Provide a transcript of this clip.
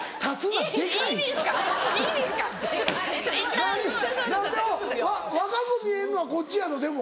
何で若く見えるのはこっちやろでも。